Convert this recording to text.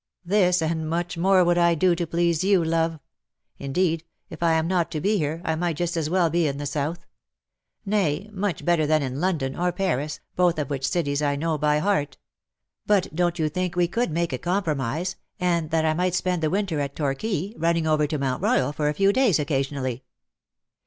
" This, and much more, would I do to please you, love. Indeed, if I am not to be here, I might just as well be in the South ; nay, much better than in London, or Paris, both of which cities I know by heart. But don^t you think we could make a compromise, and that I might spend the winter at Torquay, running over to Mount Royal for a few days occasionally